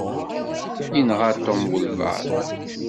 Yenɣa Tom walebɛaḍ.